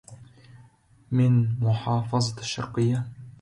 He was arrested and imprisoned because of that.